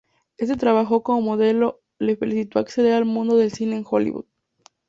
Este trabajo como modelo le facilitó acceder al mundo del cine en Hollywood.